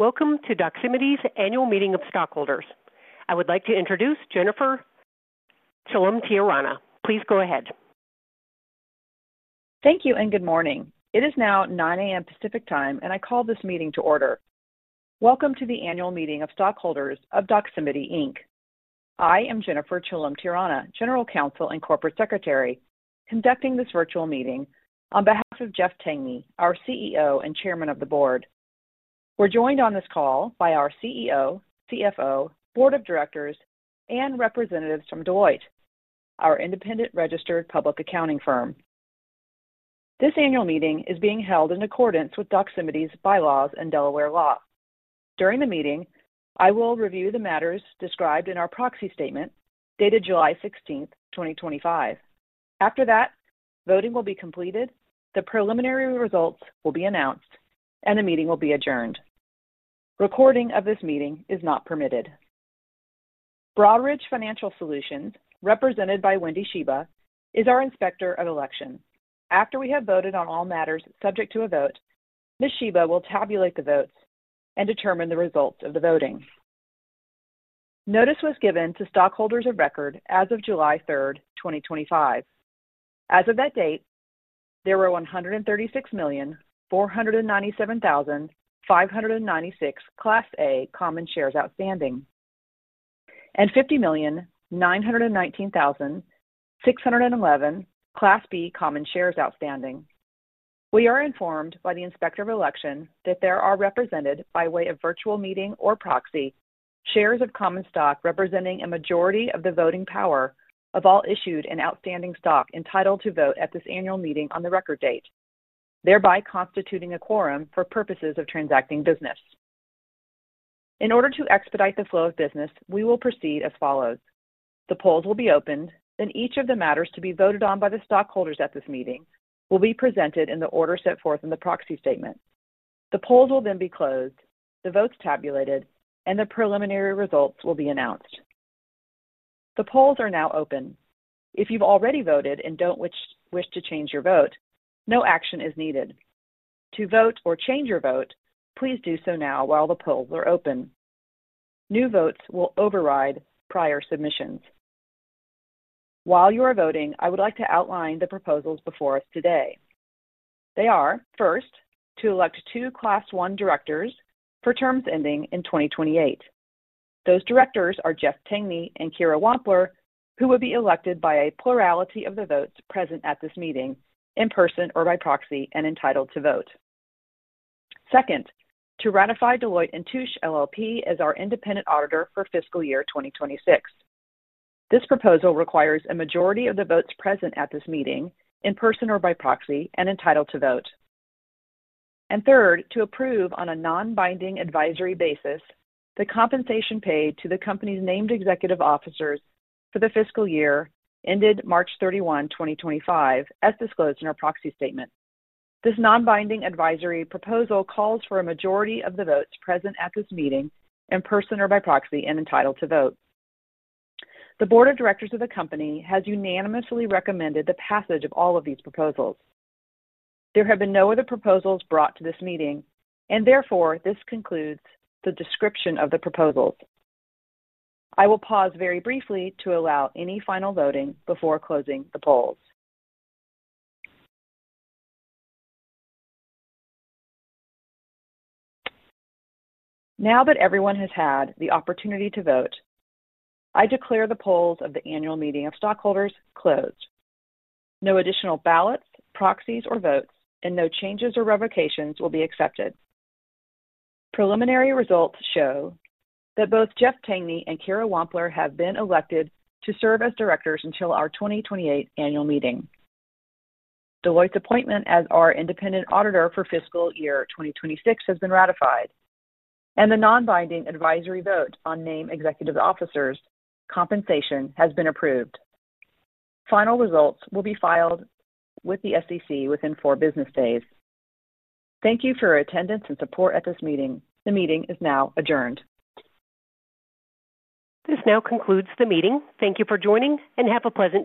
Welcome to Doximity's annual meeting of stockholders. I would like to introduce Jennifer Chaloemtiarana. Please go ahead. Thank you and good morning. It is now 9:00 A.M. Pacific Time, and I call this meeting to order. Welcome to the annual meeting of stockholders of Doximity, Inc. I am Jennifer Chaloemtiarana, General Counsel and Corporate Secretary, conducting this virtual meeting on behalf of Jeff Tangney, our CEO and Chairman of the Board. We're joined on this call by our CEO, CFO, Board of Directors, and representatives from Deloitte, our independent registered public accounting firm. This annual meeting is being held in accordance with Doximity's bylaws and Delaware law. During the meeting, I will review the matters described in our proxy statement dated July 16, 2025. After that, voting will be completed, the preliminary results will be announced, and the meeting will be adjourned. Recording of this meeting is not permitted. Broadridge Financial Solutions, represented by Wendy Sheba, is our inspector of elections. After we have voted on all matters subject to a vote, Ms. Sheba will tabulate the votes and determine the result of the voting. Notice was given to stockholders of record as of July 3, 2025. As of that date, there were 136,497,596 Class A common shares outstanding and 50,919,611 Class B common shares outstanding. We are informed by the inspector of elections that there are represented by way of virtual meeting or proxy shares of common stock representing a majority of the voting power of all issued and outstanding stock entitled to vote at this annual meeting on the record date, thereby constituting a quorum for purposes of transacting business. In order to expedite the flow of business, we will proceed as follows. The polls will be opened, then each of the matters to be voted on by the stockholders at this meeting will be presented in the order set forth in the proxy statement. The polls will then be closed, the votes tabulated, and the preliminary results will be announced. The polls are now open. If you've already voted and don't wish to change your vote, no action is needed. To vote or change your vote, please do so now while the polls are open. New votes will override prior submissions. While you are voting, I would like to outline the proposals before us today. They are, first, to elect two Class 1 directors for terms ending in 2028. Those directors are Jeff Tangney and Kira Wampler, who will be elected by a plurality of the votes present at this meeting, in person or by proxy, and entitled to vote. Second, to ratify Deloitte & Touche LLP as our independent auditor for fiscal year 2026. This proposal requires a majority of the votes present at this meeting, in person or by proxy, and entitled to vote. Third, to approve, on a non-binding advisory basis, the compensation paid to the company's named executive officers for the fiscal year ended March 31, 2025, as disclosed in our proxy statement. This non-binding advisory proposal calls for a majority of the votes present at this meeting, in person or by proxy, and entitled to vote. The Board of Directors of the company has unanimously recommended the passage of all of these proposals. There have been no other proposals brought to this meeting, and therefore this concludes the description of the proposals. I will pause very briefly to allow any final voting before closing the polls. Now that everyone has had the opportunity to vote, I declare the polls of the annual meeting of stockholders closed. No additional ballots, proxies, or votes, and no changes or revocations will be accepted. Preliminary results show that both Jeff Tangney and Kira Wampler have been elected to serve as directors until our 2028 annual meeting. Deloitte's appointment as our independent auditor for fiscal year 2026 has been ratified, and the non-binding advisory vote on named executive officers' compensation has been approved. Final results will be filed with the SEC within four business days. Thank you for your attendance and support at this meeting. The meeting is now adjourned. This now concludes the meeting. Thank you for joining and have a pleasant.